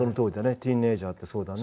「ティーンエージャー」ってそうだね。